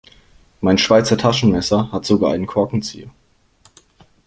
Mein Schweizer Taschenmesser hat sogar einen Korkenzieher.